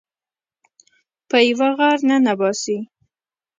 په یوه غار ننه باسي